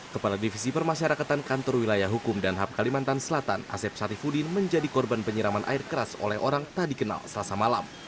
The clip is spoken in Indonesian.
kepala divisi permasyarakatan kantor wilayah hukum dan ham kalimantan selatan asep sarifudin menjadi korban penyiraman air keras oleh orang tak dikenal selasa malam